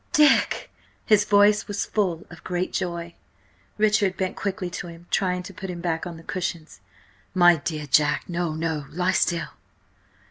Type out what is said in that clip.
Dick!" His voice was full of a great joy. Richard went quickly to him, trying to put him back on the cushions. "My dear Jack–no, no–lie still!"